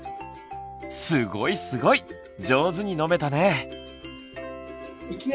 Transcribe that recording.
すごいすごい上手に飲めたね！